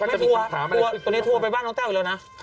ตัวนี้ทัวไปบ้านน้องเต้าอีกแล้วนะ